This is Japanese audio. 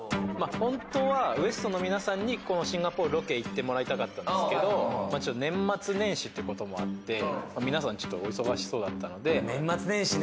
本当はＷＥＳＴの皆さんにこのシンガポールロケ行ってもらいたかったんですけどちょっと年末年始っていうこともあって皆さんちょっとお忙しそうだったので年末年始ね